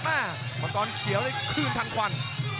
มังกรเขียวได้คลื่นทางควัน